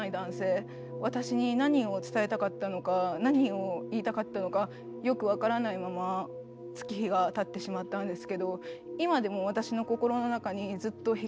私に何を伝えたかったのか何を言いたかったのかよく分からないまま月日が経ってしまったんですけど今でも私の心の中にずっと引っかかっているんですよね。